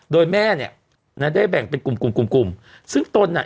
โดยแม่เนี้ยนั้นได้แบ่งเป็นกลุ่มซึ่งตนน่ะ